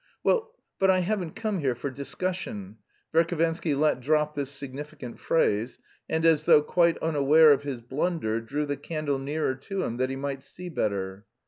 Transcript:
"Well, but I haven't come here for discussion." Verhovensky let drop this significant phrase, and, as though quite unaware of his blunder, drew the candle nearer to him that he might see better.